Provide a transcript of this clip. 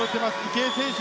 池江選手